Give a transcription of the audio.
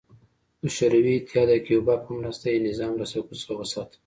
د شوروي اتحاد او کیوبا په مرسته یې نظام له سقوط څخه وساته.